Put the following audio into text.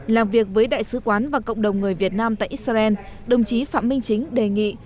làm việc với đại sứ quán và cộng đồng người việt nam tại israel đồng chí phạm minh chính đề nghị